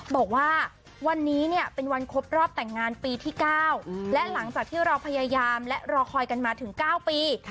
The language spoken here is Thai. บอกว่าวันนี้เนี่ยเป็นวันครบรอบแต่งงานปีที่๙และหลังจากที่เราพยายามและรอคอยกันมาถึง๙ปี